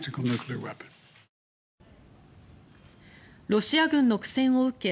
ロシア軍の苦戦を受け